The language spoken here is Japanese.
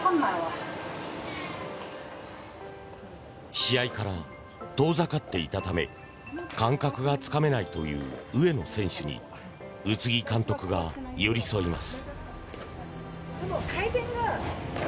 試合から遠ざかっていたため感覚がつかめないという上野選手に宇津木監督が寄り添います。